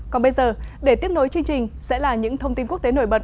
còn bây giờ để tiếp nối chương trình sẽ là những thông tin quốc tế nổi bật